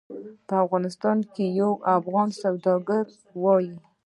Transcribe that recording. په افغانستان کې یو افغان سوداګر وایي.